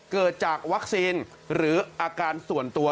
เกิดจากวัคซีนหรืออาการส่วนตัว